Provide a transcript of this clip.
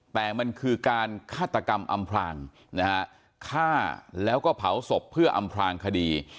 แต่มันคือการฆาตกรรมอำพลางนะฮะฆ่าแล้วก็เผาศพเพื่ออำพลางคดี